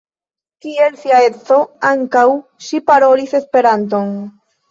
Kiel sia edzo, ankaŭ ŝi parolis Esperanton.